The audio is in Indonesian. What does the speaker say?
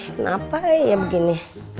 kenapa ya begini